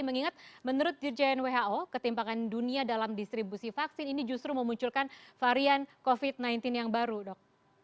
mengingat menurut dirjen who ketimpangan dunia dalam distribusi vaksin ini justru memunculkan varian covid sembilan belas yang baru dok